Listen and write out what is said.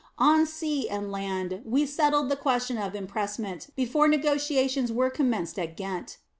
On sea and land we settled the question of impressment before negotiations were commenced at Ghent.